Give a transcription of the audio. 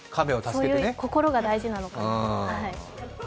そういう心が大事なのかなと。